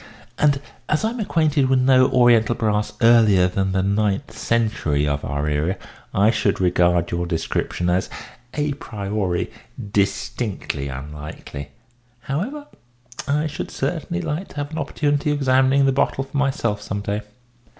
And, as I am acquainted with no Oriental brass earlier than the ninth century of our era, I should regard your description as, à priori, distinctly unlikely. However, I should certainly like to have an opportunity of examining the bottle for myself some day."